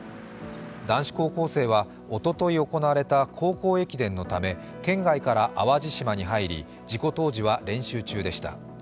男子高校生はおととい行われた高校駅伝のため県外から淡路島に入り、事故当時は練習中でした。